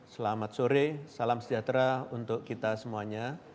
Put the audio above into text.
selamat sore salam sejahtera untuk kita semuanya